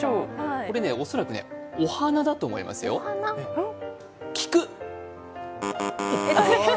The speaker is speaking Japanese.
これね、恐らくねお花だと思いますよ、菊？